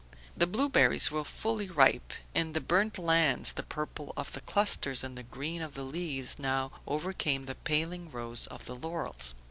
The blueberries were fully ripe. In the burnt lands the purple of the clusters and the green of the leaves now overcame the paling rose of the laurels.